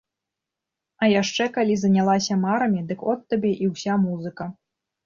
А яшчэ калі занялася марамі, дык от табе і ўся музыка.